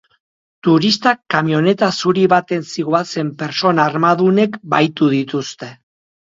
Turistak kamioneta zuri baten zihoazen pertsona armadunek bahitu dituzte.